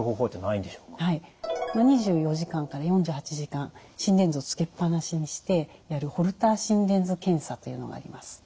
はい２４時間から４８時間心電図をつけっぱなしにしてやるホルター心電図検査というのがあります。